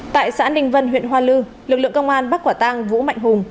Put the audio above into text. tại xã ninh vân huyện hoa lư lực lượng công an bắt quả tang vũ mạnh hùng